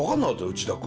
内田君。